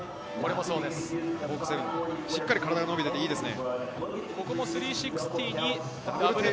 コーク７２０、しっかり体が伸びていていいですね。